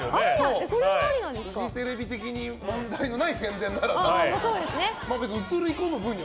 フジテレビ的に問題のない宣伝なら。